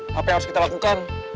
apa yang harus kita lakukan